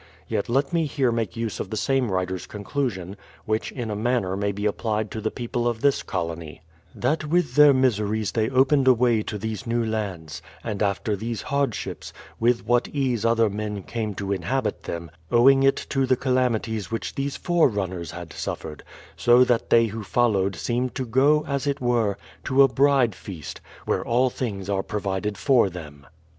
Yet let me here make use of the same writer's conclusion, which in a manner may be applied to the people of this colony: "That with their miseries they opened a way to these new lands ; and after these hardships, with what ease other men came to inhabit them, owing it to the calamities which these forerunners had suiifered ; so that they who followed seemed to go, as it were, to a bride feast, where all things are provided for them."